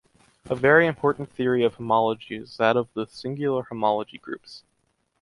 A very important theory of homology is that of the singular homology groups.